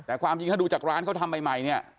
แต่ความจริงถ้าดูจากร้านเขาทำใหม่เนี่ย